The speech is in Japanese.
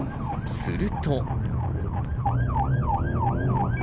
すると。